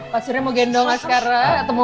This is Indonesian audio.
bapak mau gendong asgara